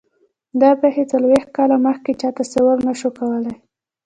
دا پېښې څلوېښت کاله مخکې چا تصور نه شو کولای.